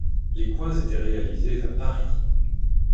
Les coins étaient réalisés à Paris.